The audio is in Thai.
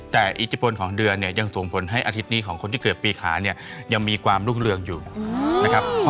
แต่อิทธิพลของเดือนเนี่ยยังส่งผลให้อาทิตย์นี้ของคนที่เกิดปีขาเนี่ยยังมีความรุ่งเรืองอยู่นะครับ